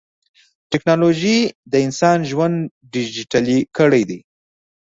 ټکنالوجي د انسان ژوند ډیجیټلي کړی دی.